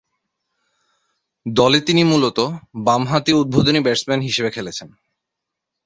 দলে তিনি মূলতঃ বামহাতি উদ্বোধনী ব্যাটসম্যান হিসেবে খেলছেন।